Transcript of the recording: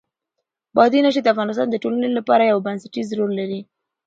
بادي انرژي د افغانستان د ټولنې لپاره یو بنسټيز رول لري.